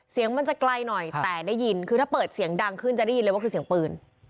เสียงมันจะไกลหน่อยแต่ได้ยินคือถ้าเปิดเสียงดังขึ้นจะได้ยินเลยว่าคือเสียงปืน